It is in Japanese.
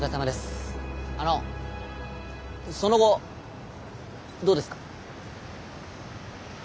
あのその後どうですか？